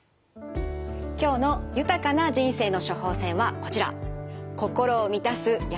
今日の豊かな人生の処方せんはこちら。